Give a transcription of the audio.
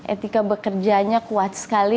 etika bekerjanya kuat sekali